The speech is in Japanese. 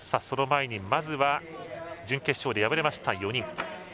その前にまずは準決勝で敗れました４人。